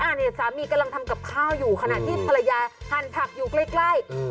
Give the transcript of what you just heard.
อันนี้สามีกำลังทำกับข้าวอยู่ขณะที่ภรรยาหั่นผักอยู่ใกล้